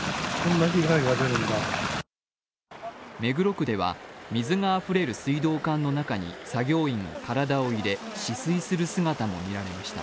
目黒区では水があふれる水道管の中に作業員が体を入れ、止水する姿も見られました。